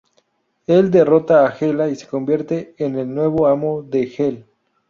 Él derrota a Hela y se convierte en el nuevo amo de Hel.